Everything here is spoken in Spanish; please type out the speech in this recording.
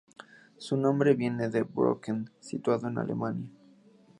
Su nombre viene de el Brocken, situado en Alemania.